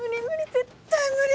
絶対無理！